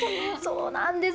そうなんですよ！